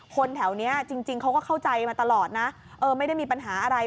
แถวนี้จริงเขาก็เข้าใจมาตลอดนะไม่ได้มีปัญหาอะไร